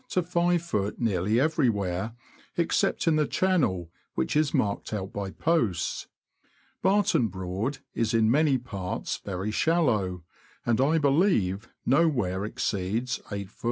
to 5ft. nearly everywhere except in the channel, which is marked out by posts. Barton Broad is in many parts very shallow, and, I believe, nowhere exceeds 8ft.